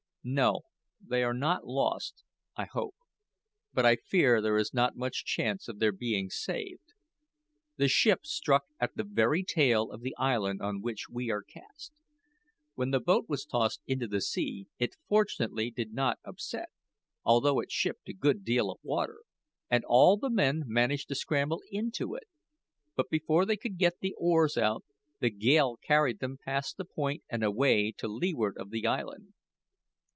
"No, they are not lost, I hope; but, I fear, there is not much chance of their being saved. The ship struck at the very tail of the island on which we are cast. When the boat was tossed into the sea it fortunately did not upset, although it shipped a good deal of water, and all the men managed to scramble into it; but before they could get the oars out, the gale carried them past the point and away to leeward of the island.